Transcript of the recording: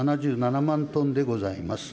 ７７万トンでございます。